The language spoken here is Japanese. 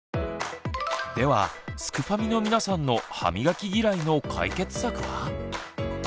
ではすくファミの皆さんの歯みがき嫌いの解決策は？